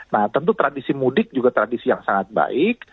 nah tentu tradisi mudik juga tradisi yang sangat baik